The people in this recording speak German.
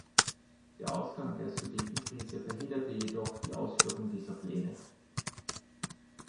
Der Ausgang der Sudetenkrise verhinderte jedoch die Ausführung dieser Pläne.